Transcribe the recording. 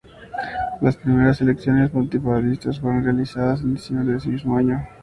Las primeras elecciones multipartidistas fueron realizadas en diciembre de ese mismo año.